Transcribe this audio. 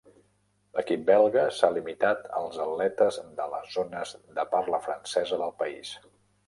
L'equip belga s'ha limitat als atletes de les zones de parla francesa del país.